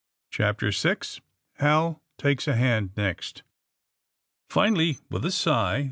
CHAPTEE VI HAL. TAKES A HAISTD NEXT IN ALLY,, with a sigh.